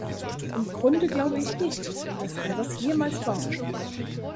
Im Grunde glaube ich nicht, dass er das jemals war.